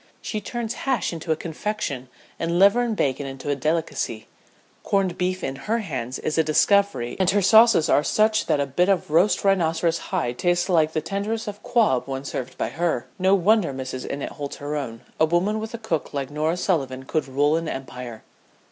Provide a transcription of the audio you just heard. She turns hash into a confection and liver and bacon into a delicacy. Corned beef in her hands is a discovery and her sauces are such that a bit of roast rhinoceros hide tastes like the tenderest of squab when served by her. No wonder Mrs. Innitt holds her own. A woman with a cook like Norah Sullivan could rule an empire."